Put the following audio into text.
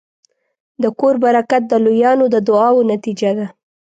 د کور برکت د لویانو د دعاوو نتیجه ده.